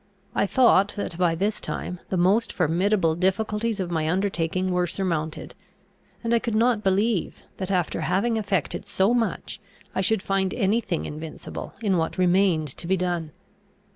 I thought that, by this time, the most formidable difficulties of my undertaking were surmounted; and I could not believe that, after having effected so much, I should find any thing invincible in what remained to be done.